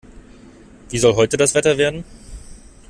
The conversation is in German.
Wie soll heute das Wetter werden?